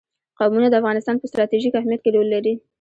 قومونه د افغانستان په ستراتیژیک اهمیت کې رول لري.